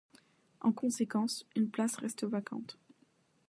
En conséquence, une place reste vacante.